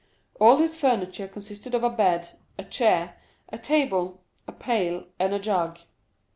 All his furniture consisted of a bed, a chair, a table, a pail, and a jug.